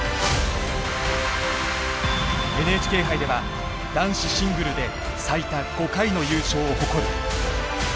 ＮＨＫ杯では男子シングルで最多５回の優勝を誇る。